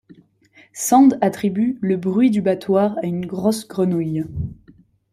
Sand attribue le bruit du battoir à une grosse grenouille.